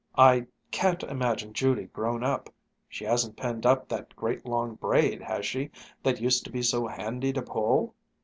I can't imagine Judy grown up. She hasn't pinned up that great long braid, has she, that used to be so handy to pull?"